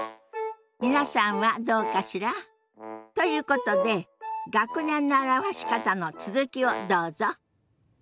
皆さんはどうかしら？ということで学年の表し方の続きをどうぞ。